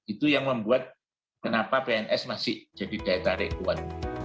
itu yang membuat kenapa pns masih jadi daya tarik kuat